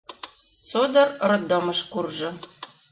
Содор роддомыш куржо.